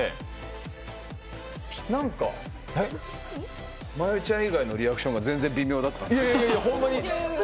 なんか真悠ちゃん以外のリアクションが全然微妙だった。